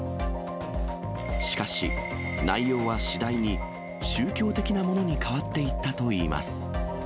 しかし、内容は次第に、宗教的なものに変わっていったといいます。